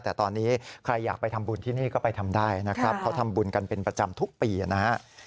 แต่ตอนนี้ใครอยากไปทำบุญที่นี่ก็ไปทำได้นะครับเขาทำบุญกันเป็นประจำทุกปีนะครับ